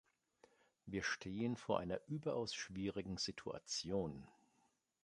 Wir stehen vor einer überaus schwierigen Situation.